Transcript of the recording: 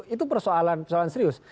itu persoalan serius